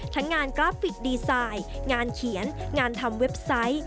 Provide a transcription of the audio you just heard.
ทั้งงานกราฟิกดีไซน์งานเขียนงานทำเว็บไซต์